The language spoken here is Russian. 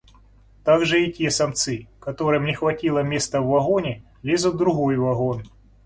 Также и те самцы, которым не хватило места в вагоне, лезут в другой вагон.